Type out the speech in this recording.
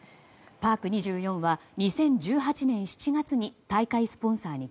パーク２４は２０１８年７月に大会スポンサーに